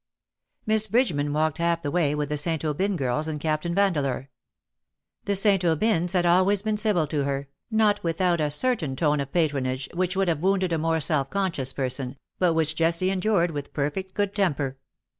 Miss Bridgeman walked half the way with the St. Aubyn girls and Captain Vandeleur. The St. Aubyns had always been civil to her, not without a certain tone of patronage which would have wounded a more self conscious person, but which Jessie endured with perfect good temper.